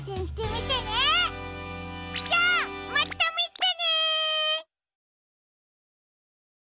じゃあまたみてね！